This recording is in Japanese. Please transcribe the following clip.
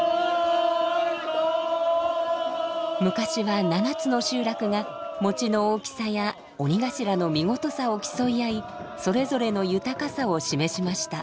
昔は７つの集落が餅の大きさや鬼頭の見事さを競い合いそれぞれの豊かさを示しました。